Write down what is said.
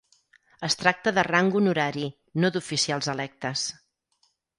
Es tracta de rang honorari, no d'oficials electes.